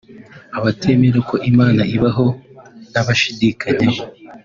Abatemera ko Imana ibaho n’ababishidikanyaho